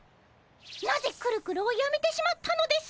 なぜくるくるをやめてしまったのですか？